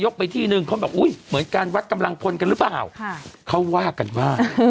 ซึ่งแบบทุกวันก็ยังอยู่กับเรานะ